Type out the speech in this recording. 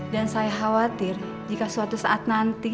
dan saya khawatir jika suatu saat nanti